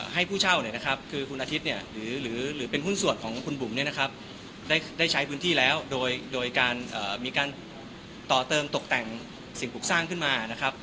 ให้ผู้เช่าคุณอาทิตย์หรือเป็นหุ้นส่วนของคุณบุ๋มได้ใช้พื้นที่แล้วโดยมีการต่อเติมตกแต่งสิ่งปลูกสร้างขึ้นมา